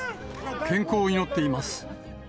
健康を祈っています。